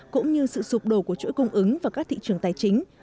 cũng như sự sụp đổ của chuỗi cung ứng và các thị trường tài chính